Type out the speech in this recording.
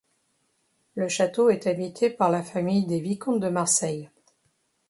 Le château est habité par la famille des vicomtes de Marseille.